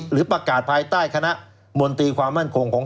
หรือประกาศภายใต้คณะมนตรีความมั่นคงของ